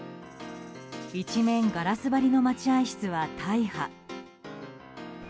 １面ガラス張りの待合室は大破。